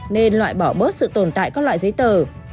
nên loại bỏ bớt sự tồn tại các loại giấy tờ